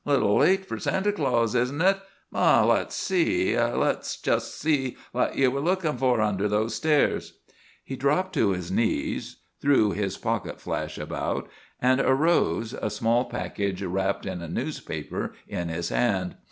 Little late for Santa Claus, isn't it? But let's see. Let's just see what you were looking for under those stairs." He dropped to his knees, threw his pocket flash about, and arose, a small package wrapped in a newspaper in his hand.